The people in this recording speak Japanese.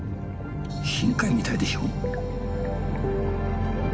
深海みたいでしょ。